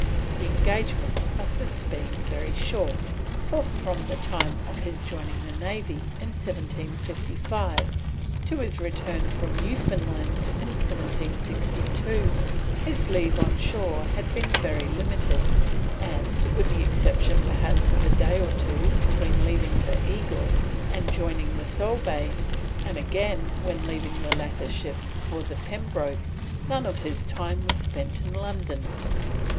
The engagement must have been very short, for from the time of his joining the Navy in 1755 to his return from Newfoundland in 1762, his leave on shore had been very limited, and, with the exception perhaps of a day or two between leaving the Eagle and joining the Solebay, and again when leaving the latter ship for the Pembroke, none of his time was spent in London.